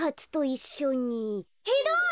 ひどい。